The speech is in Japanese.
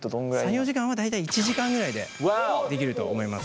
作業時間は大体１時間ぐらいでできると思います。